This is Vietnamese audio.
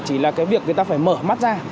chỉ là việc người ta phải mở mắt ra